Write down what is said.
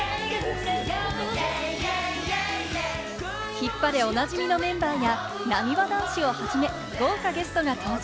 ヒッパレおなじみのメンバーや、なにわ男子をはじめ、豪華ゲストが登場。